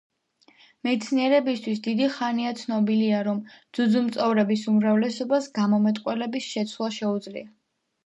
მეცნიერებისთვის დიდი ხანია ცნობილია, რომ ძუძუმწოვრების უმრავლესობას გამომეტყველების შეცვლა შეუძლია.